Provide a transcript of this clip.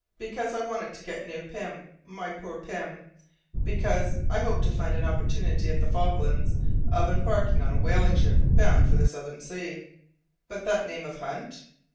Because I wanted to get near Pym, my poor Pym because I hoped to find an opportunity at the Falklands of embarking on a whaling ship bound for the southern sea." "But that name of Hunt?"